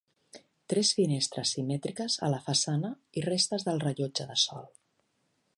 Tres finestres simètriques a la façana i restes del rellotge de sol.